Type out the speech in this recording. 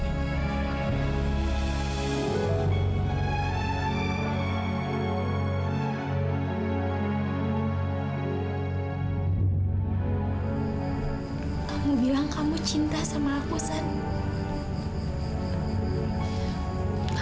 kamu bilang kamu cinta sama aku sih